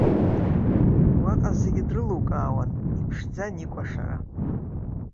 Уаҟа зегьы дрылукаауан, иԥшӡан икәашара.